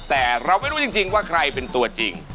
แต่เราไม่รู้จริงว่าใครเป็นตัวจริง